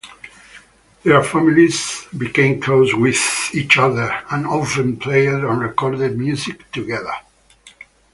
Their families became close with each other and often played and recorded music together.